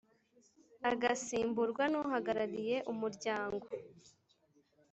agasimburwa n uhagarariye umuryango